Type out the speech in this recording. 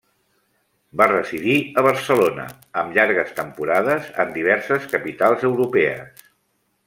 Va residir a Barcelona, amb llargues temporades en diverses capitals europees.